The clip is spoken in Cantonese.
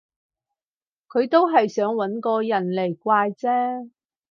佢都係想搵個人嚟怪啫